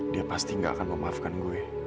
dia pasti gak akan memaafkan gue